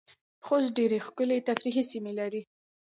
خوست ډیرې ښکلې تفریحې سیمې لرې